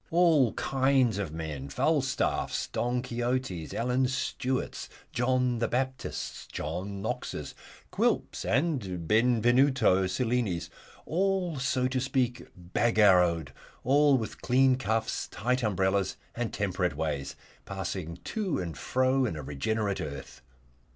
All kinds of men Falstaffs, Don Quixotes, Alan Stewarts, John the Baptists, John Knoxes, Quilps, and Benvenuto Cellinis all, so to speak, Bagarrowed, all with clean cuffs, tight umbrellas, and temperate ways, passing to and fro in a regenerate earth.